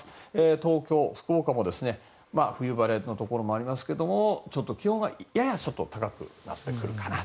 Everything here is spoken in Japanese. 東京、福岡も冬晴れのところもありますが気温がやや高くなってくるかなと。